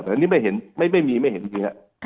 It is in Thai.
แต่อันนี้ไม่เห็นไม่มีไม่เห็นมีครับ